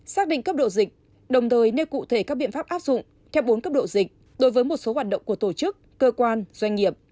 xác định cấp độ dịch đồng thời nêu cụ thể các biện pháp áp dụng theo bốn cấp độ dịch đối với một số hoạt động của tổ chức cơ quan doanh nghiệp